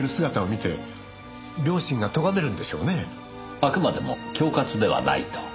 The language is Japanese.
あくまでも恐喝ではないと？